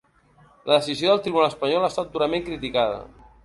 La decisió del tribunal espanyol ha estat durament criticada.